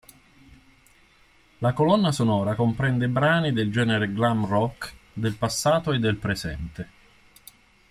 La colonna sonora comprende brani del genere glam rock del passato e del presente.